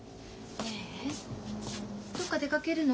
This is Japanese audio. ねえどっか出かけるの？